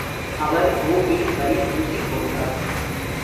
அவர் மூக்கில் கரி பூசிக் கொண்டார்.